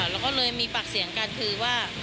แล้วก็เลยมีปากเสียงกันคือว่า